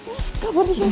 sekarang ada rumah